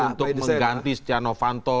untuk mengganti stiano fanto